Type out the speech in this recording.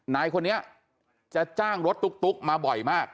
นายคนนี้จะจ้างรถตุ๊กมาบ่อยมาก